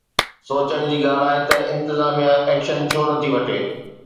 سوچڻ جي ڳالهه آهي ته انتظاميه ايڪشن ڇو نٿي وٺي؟